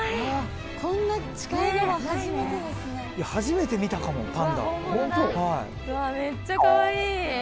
めっちゃかわいい。